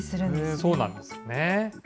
そうなんですね。